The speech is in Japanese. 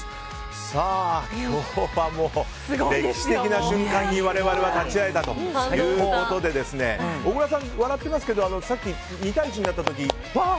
さあ、今日はもう歴史的な瞬間に我々は立ち会えたということで小倉さん、笑ってますけどさっき２対１になった時、わー！